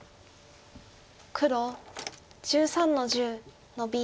黒１３の十ノビ。